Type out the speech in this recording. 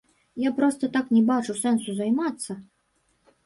Я проста так не бачу сэнсу займацца.